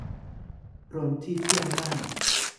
รวมที่เที่ยวน่าน